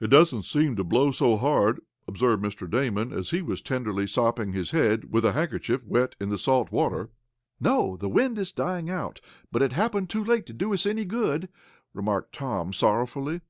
"It doesn't seem to blow so hard," observed Mr. Damon, as he was tenderly sopping his head with a handkerchief wet in the salt water. "No, the wind is dying out, but it happened too late to do us any good," remarked Tom, sorrowfully.